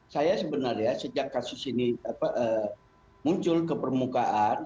saya sebenarnya sejak kasus ini muncul ke permukaan